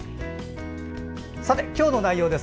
さて、今日の内容です。